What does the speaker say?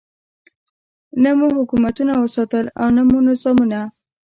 نه مو حکومتونه وساتل او نه مو نظامونه.